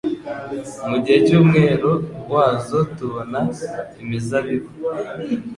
Mu gihe cy’umwero wazo, tubona imizabibu